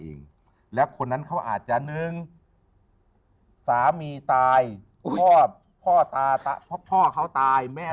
เองแล้วคนนั้นเขาอาจจะหนึ่งสามีตายพ่อพ่อตาพ่อเขาตายแม่